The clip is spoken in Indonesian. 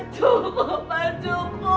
cukup pak cukup